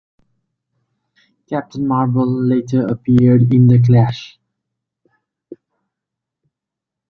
Captain Marvel later appeared in The Clash.